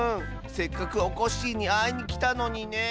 せっかくおこっしぃにあいにきたのにね。